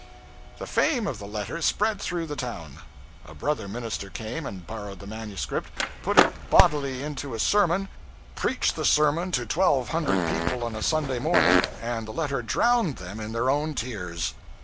The fame of the letter spread through the town. A brother minister came and borrowed the manuscript, put it bodily into a sermon, preached the sermon to twelve hundred people on a Sunday morning, and the letter drowned them in their own tears.